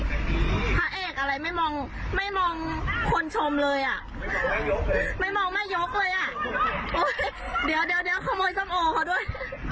ขโมยซ่อมโอขอด้วย